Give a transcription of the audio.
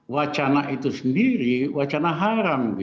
wacana itu sendiri wacana haram